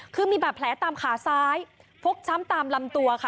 คือมีบาดแผลตามขาซ้ายฟกช้ำตามลำตัวค่ะ